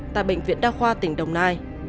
tại bệnh viện đa khoa tỉnh đồng nai